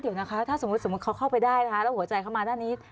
เดี๋ยวนะคะถ้าสมมุติสมมุติเขาเข้าไปได้นะคะแล้วหัวใจเข้ามาด้านนี้